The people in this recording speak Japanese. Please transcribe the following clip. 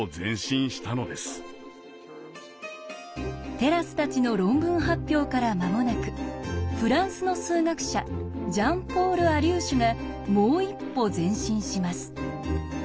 テラスたちの論文発表から間もなくフランスの数学者ジャン・ポール・アリューシュがもう一歩前進します。